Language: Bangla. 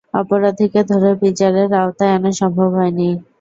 অপরাধীকে ধরে বিচারের আওতায় আনা সম্ভব হয়নি।